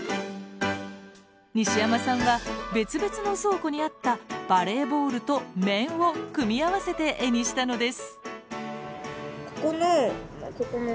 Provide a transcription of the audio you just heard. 西山さんは別々の倉庫にあったバレーボールと面を組み合わせて絵にしたのです。